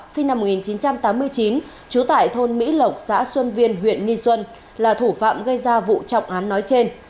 sinh năm một nghìn chín trăm tám mươi chín trú tại thôn mỹ lộc xã xuân viên huyện nghi xuân là thủ phạm gây ra vụ trọng án nói trên